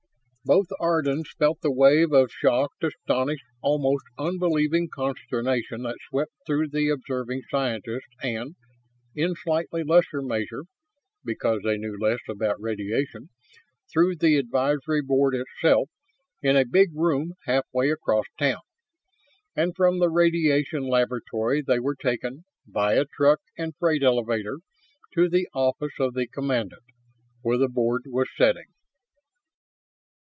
Both Ardans felt the wave of shocked, astonished, almost unbelieving consternation that swept through the observing scientists and, in slightly lesser measure (because they knew less about radiation) through the Advisory Board itself in a big room halfway across town. And from the Radiation Laboratory they were taken, via truck and freight elevator, to the Office of the Commandant, where the Board was sitting.